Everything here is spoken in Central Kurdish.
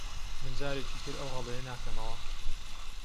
من جارێکی تر ئەو هەڵەیە ناکەمەوە.